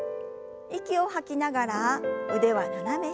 息を吐きながら腕は斜め下。